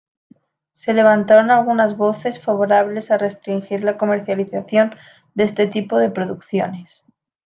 Se levantaron algunas voces favorables a restringir la comercialización de este tipo de producciones.